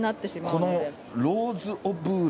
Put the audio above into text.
このローズオブール。